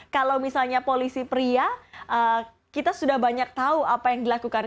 kalau misalnya polisi pria kita sudah banyak tahu apa yang dilakukan